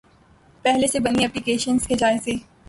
پہلے سے بنی ایپلی کیشنز کے جائزے